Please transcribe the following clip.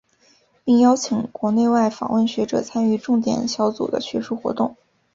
并邀请国内外访问学者参与重点小组的学术活动。